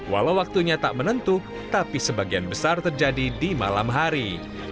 walau waktunya tak menentu tapi sebagian besar terjadi di malam hari